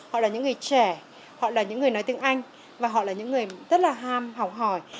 họ là những người trẻ họ là những người nói tiếng anh và họ là những người rất là ham học hỏi